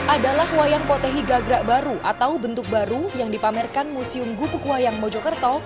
adalah wayang potehi gagrak baru atau bentuk baru yang dipamerkan museum gupuk wayang mojokerto